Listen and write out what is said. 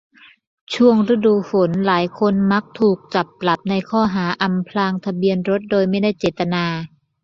ช่วงฤดูฝนหลายคนมักถูกจับปรับในข้อหา อำพรางทะเบียนรถโดยไม่เจตนา